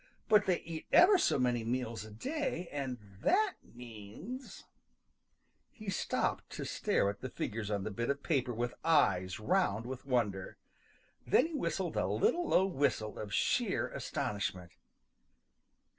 But they eat ever so many meals a day and that means " He stopped to stare at the figures on the bit of paper with eyes round with wonder. Then he whistled a little low whistle of sheer astonishment.